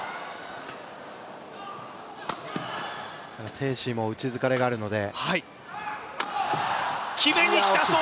鄭思緯も打ち疲れがあるので。